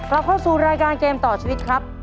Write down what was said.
เราเข้าสู่รายการเกมต่อชีวิตครับ